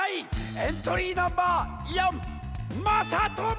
エントリーナンバー４まさとも！